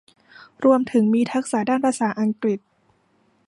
รวมถึงมีทักษะด้านภาษาอังกฤษ